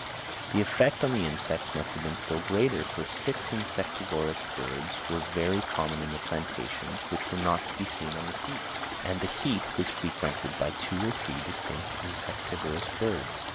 The effect on the insects must have been still greater, for six insectivorous birds were very common in the plantations, which were not to be seen on the heath; and the heath was frequented by two or three distinct insectivorous birds.